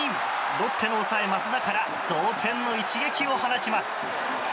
ロッテの抑え、益田から同点の一撃を放ちます。